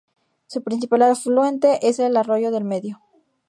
Su principal afluente es el arroyo del Medio.